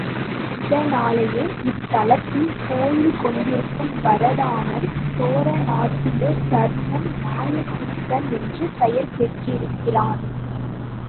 இதனாலேயே இத்தலத்தில் கோயில் கொண்டிருக்கும் பரந்தாமன் சோரநாட்டிய சர்மன் மாயக் கூத்தன் என்று பெயர் பெற் றிருக்கிறான்.